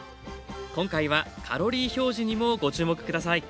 今回はカロリー表示にもご注目下さい。